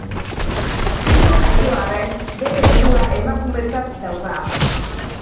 Gizon jaio arren, bere burua emakumetzat dauka.